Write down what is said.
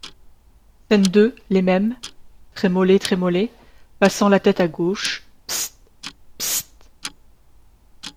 Scène deux Les mêmes, Trémollet Trémollet, passant la tête à gauche. — Psitt ! psitt…